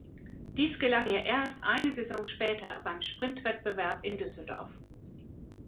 Dies gelang ihr erst eine Saison später beim Sprintwettbewerb in Düsseldorf.